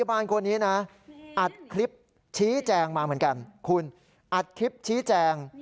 อัดคลิปชี้แจงมาเหมือนกันคุณอัดคลิปชี้แจง